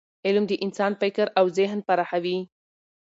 علم د انسان فکر او ذهن پراخوي.